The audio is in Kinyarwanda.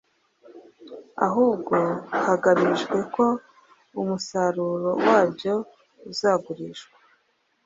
ahubwo hagamijwe ko umusaruro wabyo uzagurishwa,